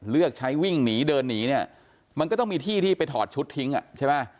เลือกใช้วิ่งหนีเดินหนีเนี่ยมันก็ต้องมีที่ที่ไปถอดชุดทิ้งอ่ะใช่ไหม